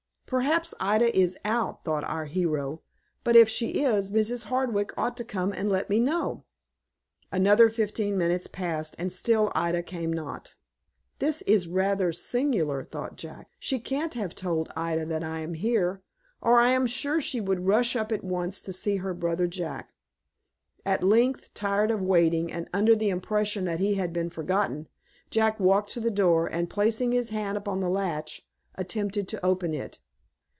"Perhaps Ida is out," thought our hero; "but, if she is, Mrs. Hardwick ought to come and let me know." Another fifteen minutes passed, and still Ida came not. "This is rather singular," thought Jack. "She can't have told Ida that I am here, or I am sure she would rush up at once to see her brother Jack." At length, tired of waiting, and under the impression that he had been forgotten, Jack walked to the door, and placing his hand upon the latch, attempted to open it.